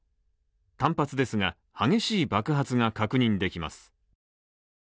単発ですが、激しい爆発が確認できます。